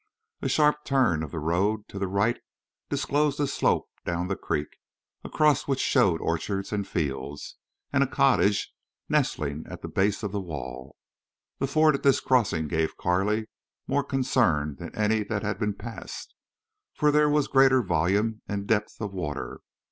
A sharp turn of the road to the right disclosed a slope down the creek, across which showed orchards and fields, and a cottage nestling at the base of the wall. The ford at this crossing gave Carley more concern than any that had been passed, for there was greater volume and depth of water.